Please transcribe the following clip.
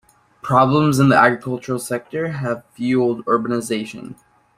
Problems in the agricultural sector have fueled urbanization.